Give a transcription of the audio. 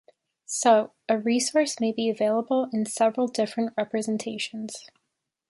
So, a resource may be available in several different representations.